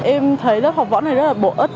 em thấy lớp học võ này rất là bổ ích